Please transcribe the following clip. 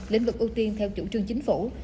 lĩnh vực ưu tiên theo chủ trương chính phủ